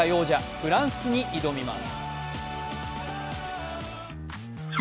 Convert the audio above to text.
フランスに挑みます。